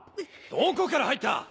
どこから入った！？